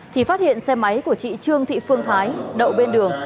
thì phát hiện xe máy của chị trương thị phương thái đậu bên đường